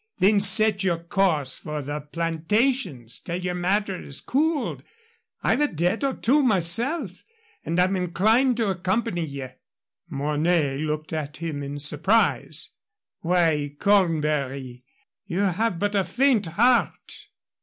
Then set your course for the Plantations till yer matter is cooled. I've a debt or two myself, and I'm inclined to accompany ye." Mornay looked at him in surprise. "Why, Cornbury, you have but a faint heart!"